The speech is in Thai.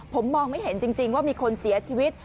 ผมมองไม่เห็นจริงว่ามีคนเสียชีวิต